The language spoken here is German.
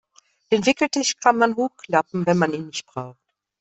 Den Wickeltisch kann man hochklappen, wenn man ihn nicht braucht.